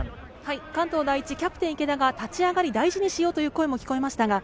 関東第一のキャプテン・池田が立ち上がり大事にしようという声も聞こえました。